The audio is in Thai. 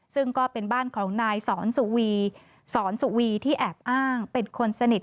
ซึ่งก็เป็นบ้านของนายสอนสุวีสอนสุวีที่แอบอ้างเป็นคนสนิท